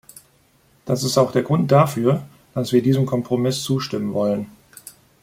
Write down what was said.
Das ist auch der Grund dafür, dass wir diesem Kompromiss zustimmen wollen.